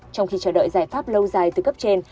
trong khi chờ đợi giải pháp lâu dài từ cấp trên